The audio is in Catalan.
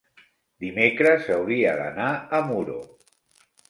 Dimecres hauria d'anar a Muro.